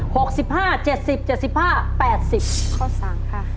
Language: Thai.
หกสิบห้าเจ็ดสิบเจ็ดสิบห้าแปดสิบข้อสามค่ะ